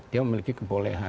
dia memiliki kebolehan